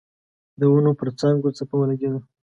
د ونو پر څانګو څپه ولګېده.